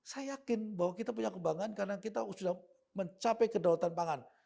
saya yakin bahwa kita punya kebanggaan karena kita sudah mencapai ke dalau tanpangan